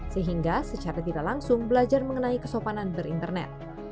sehingga secara tidak langsung belajar mengenai kesopanan berinternet